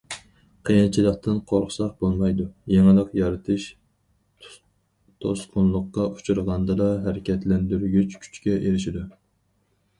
قىيىنچىلىقتىن قورقساق بولمايدۇ، يېڭىلىق يارىتىش توسقۇنلۇققا ئۇچرىغاندىلا ھەرىكەتلەندۈرگۈچ كۈچكە ئېرىشىدۇ.